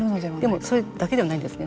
でも、それだけではないんですね。